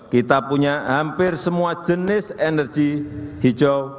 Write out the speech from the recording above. kita punya hampir semua jenis energi hijau